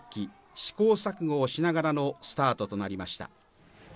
試行錯誤をしながらのスタートとなりました。